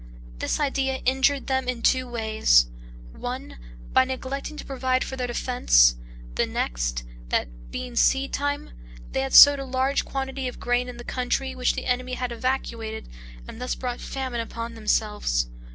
This idea injured them in two ways: one, by neglecting to provide for their defense; the next, that, being seed time, they sowed a large quantity of grain in the country which the enemy had evacuated, and thus brought famine upon themselves.